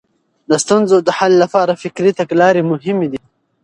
د ستونزو د حل لپاره فکري تګلارې مهمې دي.